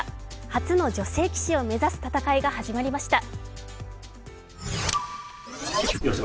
初の女性棋士を目指す戦いが始まりました。